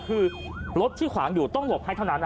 คือรถที่ขวางอยู่ต้องหลบให้เท่านั้น